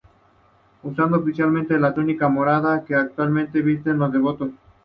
Usando oficialmente la túnica Morada, que actualmente visten los devotos.